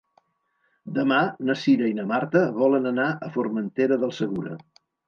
Demà na Cira i na Marta volen anar a Formentera del Segura.